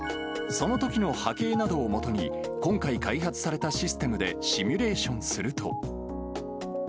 そのときの波形などをもとに、今回、開発されたシステムでシミュレーションすると。